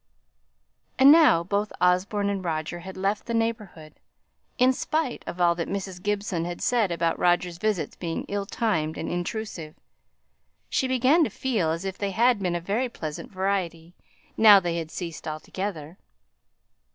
And now both Osborne and Roger had left the neighbourhood. In spite of all that Mrs. Gibson had said about Roger's visits being ill timed and intrusive, she began to feel as if they had been a very pleasant variety, now that they had ceased altogether.